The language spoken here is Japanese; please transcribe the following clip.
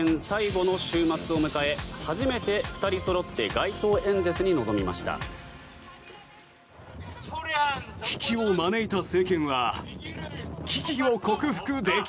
最後の週末を迎え初めて２人そろって街頭演説に臨みました。